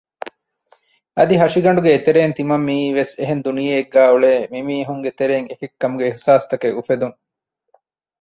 އަދި ހަށިގަނޑުގެ އެތެރެއިން ތިމަން މިއީވެސް އެހެން ދުނިޔެއެއްގައި އުޅޭ މި މީހުންގެތެރެއިން އެކެއްކަމުގެ އިޙްސާސްތަކެއް އުފެދުން